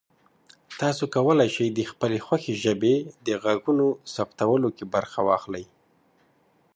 تاسو کولی شئ د خپلې خوښې ژبې د غږونو ثبتولو کې برخه واخلئ.